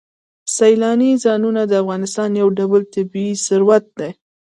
سیلاني ځایونه د افغانستان یو ډول طبعي ثروت دی.